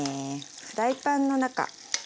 フライパンの中。